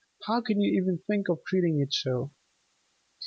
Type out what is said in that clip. How can you even think of treating it so!"